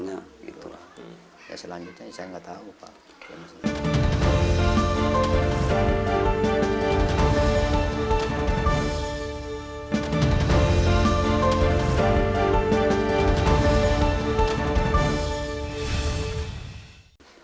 ya selanjutnya saya gak tau pak